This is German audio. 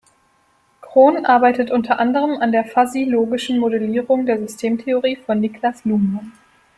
Kron arbeitet unter anderem an der Fuzzy-logischen Modellierung der Systemtheorie von Niklas Luhmann.